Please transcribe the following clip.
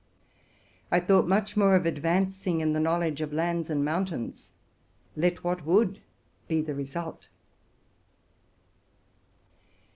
I thought much more of advancing in the knowl edge of lands and mountains, let what would be the result.